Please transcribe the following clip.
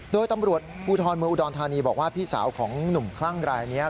โดยตำรวจภูทรเมืองอุดรธานีบอกว่าพี่สาวของหนุ่มคลั่งรายนี้